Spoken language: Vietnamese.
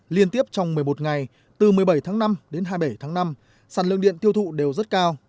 liên tiếp trong một mươi một ngày từ một mươi bảy tháng năm đến hai mươi bảy tháng năm sản lượng điện tiêu thụ đều rất cao